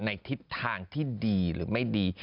ทิศทางที่ดีหรือไม่ดี